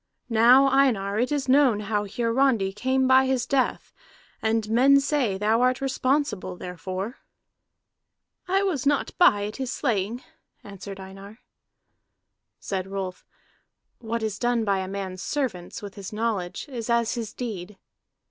"Now, Einar, it is known how Hiarandi came by his death, and men say thou art responsible therefor." "I was not by at his slaying," answered Einar. Said Rolf: "What is done by a man's servants, with his knowledge, is as his deed."